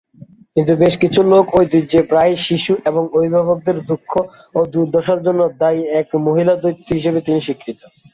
কিন্তু বেশ কিছু লোক-ঐতিহ্যে প্রায়ই শিশু এবং অভিভাবকদের দুঃখ ও দুর্দশার জন্য দায়ী এক মহিলা দৈত্য হিসেবে তিনি স্বীকৃত।